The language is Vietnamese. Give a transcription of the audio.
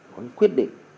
có những quyết định